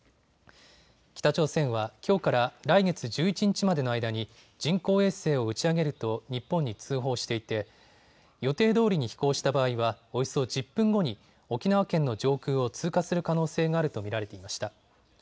北朝鮮はきょうから来月１１日までの間に人工衛星を打ち上げると日本に通報していて予定どおりに飛行した場合はおよそ１０分後に沖縄県の上空を通過する可能性があると見られていました。